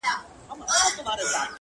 سم خراب سوی دی پر ميکدې نه راځي!